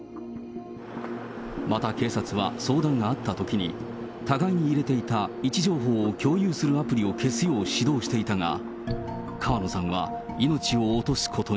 また、警察は相談があったときに、互いに入れていた位置情報を共有するアプリを消すよう指導していたが、川野さんは命を落とすことに。